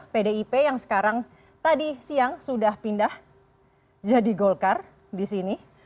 pdip yang sekarang tadi siang sudah pindah jadi golkar di sini